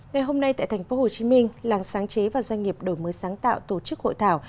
ngày hôm nay tại tp hcm làng sáng chế và doanh nghiệp đổi mới sáng tạo tổ chức hội thảo